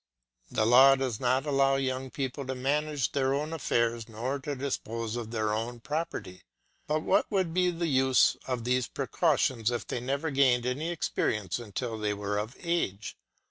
The law does not allow young people to manage their own affairs nor to dispose of their own property; but what would be the use of these precautions if they never gained any experience until they were of age.